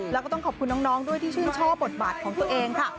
แล้วก็ต้องขอบคุณน้องด้วยที่ชื่นชอบบทบาทของตัวเองค่ะ